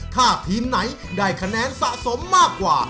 ถ้าทีมไหนได้คะแนนสะสมมากกว่า